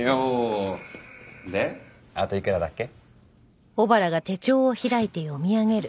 であといくらだっけ？